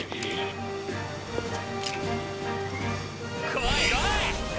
来い来い！